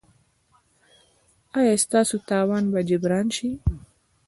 ایا ستاسو تاوان به جبران شي؟